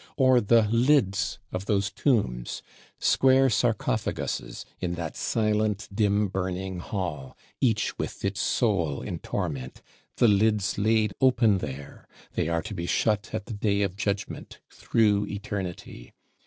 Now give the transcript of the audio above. Or the lids of those Tombs; square sarcophaguses, in that silent dim burning Hall, each with its Soul in torment; the lids laid open there; they are to be shut at the Day of Judgment, through Eternity.